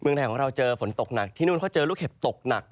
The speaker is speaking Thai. ไทยของเราเจอฝนตกหนักที่นู่นเขาเจอลูกเห็บตกหนัก